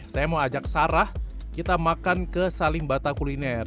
saya mau ajak sarah kita makan ke salimbata kuliner